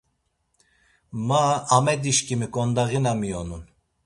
Ma, Amedişǩimi ǩondağina mionun.